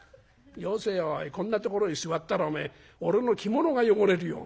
「よせよおいこんなところへ座ったら俺の着物が汚れるよ。